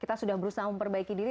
kita sudah berusaha memperbaiki diri